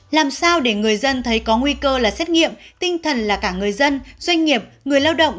làm sao để người dân thấy có nguy cơ là xét nghiệm tinh thần là cả người dân doanh nghiệp người lao động